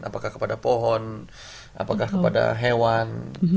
apakah kepada pohon apakah kepada hewan